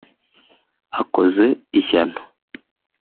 akoze ishyano